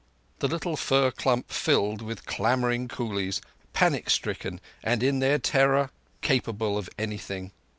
The little fir clump filled with clamouring coolies—panic stricken, and in their terror capable of anything.